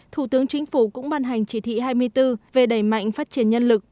thủ tướng chính phủ cũng ban hành chỉ thị hai mươi bốn về đẩy mạnh phát triển nhân lực